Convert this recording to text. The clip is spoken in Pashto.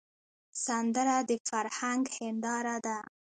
سندره د فرهنګ هنداره ده